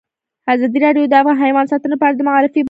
ازادي راډیو د حیوان ساتنه په اړه د معارفې پروګرامونه چلولي.